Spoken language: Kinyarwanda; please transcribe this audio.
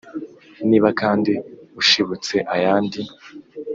Niba kandi ushibutse ayandi